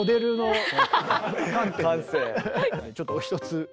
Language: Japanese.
ちょっとお一つ。